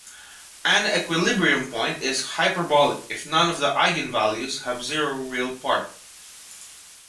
An equilibrium point is "hyperbolic" if none of the eigenvalues have zero real part.